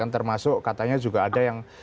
termasuk katanya juga ada yang